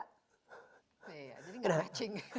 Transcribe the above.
iya jadi gak kacing